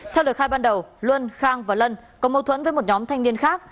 theo lời khai ban đầu luân khang và lân có mâu thuẫn với một nhóm thanh niên khác